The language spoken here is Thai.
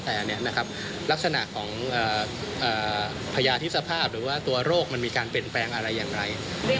แต่ลักษณะของพยาธิสภาพหรือว่าตัวโรคมันมีการเปลี่ยนแปลงอะไรอย่างไร